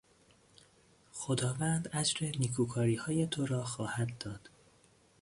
خداوند اجر نیکوکاریهای تو را خواهد داد.